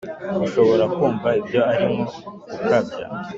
Ushobora kumva ibyo ari nko gukabya